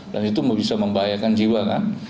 dan itu bisa membahayakan jiwa kan